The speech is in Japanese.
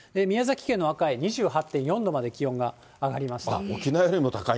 宮崎県の赤江２８．４度まで気温が上がりました。